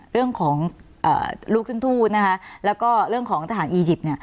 เรื่องของลูกทุ้นแล้วก็เรื่องของทหารอียิปต์